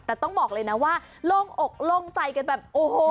แต่ต้องบอกเลยนะว่าโล่งอกโล่งใจกันแบบโอ้โห